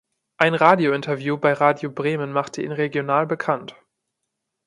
Ein Radiointerview bei Radio Bremen machte ihn regional bekannt.